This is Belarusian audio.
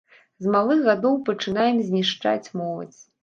З малых гадоў пачынаем знішчаць моладзь.